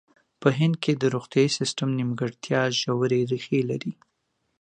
په هند کې د روغتیايي سیستم نیمګړتیا ژورې ریښې لري.